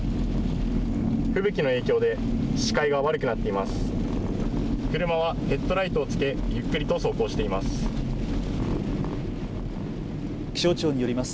吹雪の影響で視界が悪くなっています。